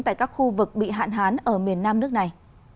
tại các khu vực bị hạn hán ở miền nam nước này